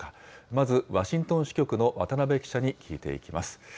まず、ワシントン支局の渡辺記者に聞いていきます。